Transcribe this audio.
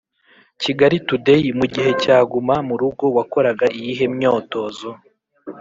Kigali Today: Mu gihe cya guma mu rugo wakoraga iyihe myotozo?